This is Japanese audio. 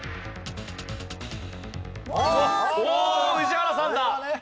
おお宇治原さんだ！